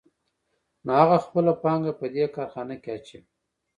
نو هغه خپله پانګه په دې کارخانه کې اچوي